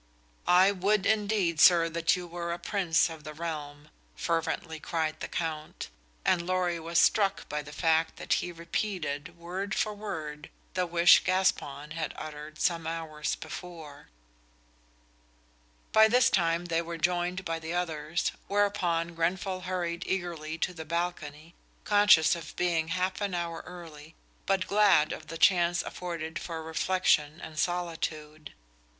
"I would indeed, sir, that you were a Prince of the realm," fervently cried the Count, and Lorry was struck by the fact that he repeated, word for word, the wish Gaspon had uttered some hours before. By this time they were joined by the others, whereupon Grenfall hurried eagerly to the balcony, conscious of being half an hour early, but glad of the chance afforded for reflection and solitude.